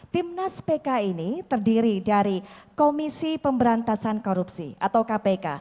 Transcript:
timnas pk ini terdiri dari komisi pemberantasan korupsi atau kpk